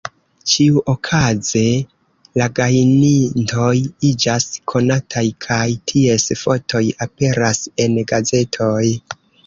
Ĉiuokaze la gajnintoj iĝas konataj kaj ties fotoj aperas en gazetoj.